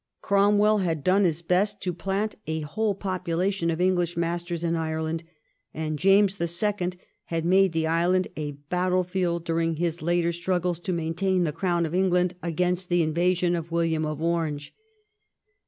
Cromwell had done his best to plant a whole population of Enghsh masters in Ireland, and James the Second had made the island a battle field during his later struggles to maintain the Crown of England against the invasion of WiUiam of Orange.